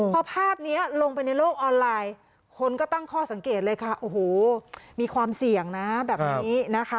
พอภาพนี้ลงไปในโลกออนไลน์คนก็ตั้งข้อสังเกตเลยค่ะโอ้โหมีความเสี่ยงนะแบบนี้นะคะ